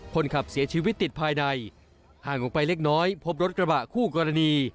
คนขับเสียชีวิตติดภายในห่างออกไปเล็กน้อยพบรถกระบะคู่กรณี